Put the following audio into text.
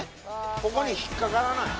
ここに引っかからない。